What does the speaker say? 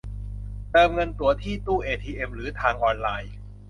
เติมเงินตั๋วที่ตู้เอทีเอ็มหรือทางออนไลน์